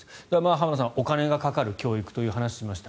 浜田さん、お金がかかる教育という話をしました。